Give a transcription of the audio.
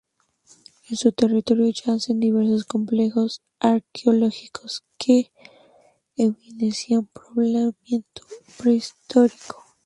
En su territorio yacen diversos complejos arqueológicos que evidencian poblamiento prehistórico.